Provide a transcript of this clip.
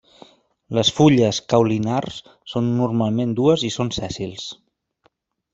Les fulles caulinars són normalment dues i són sèssils.